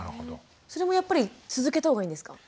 それもやっぱり続けた方がいいんですか？